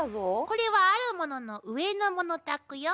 これはあるものの上のものたくよ。